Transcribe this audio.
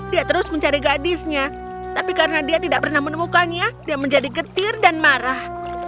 dia terus mencari gadisnya tapi karena dia tidak pernah menemukannya dia menjadi getir dan marah